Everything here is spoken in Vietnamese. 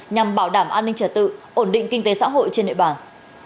nhằm bảo đảm an ninh trả tự ổn định kinh tế xã hội trên nệp bảng